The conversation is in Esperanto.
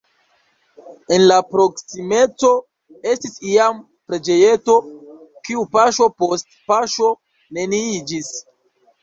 En la proksimeco estis iam preĝejeto, kiu paŝo post paŝo neniiĝis.